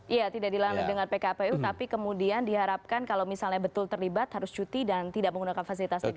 iya tidak dilarang dengan pkpu tapi kemudian diharapkan kalau misalnya betul terlibat harus cuti dan tidak menggunakan fasilitas negara